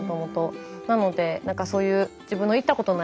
なので何かそういう自分の行ったことない。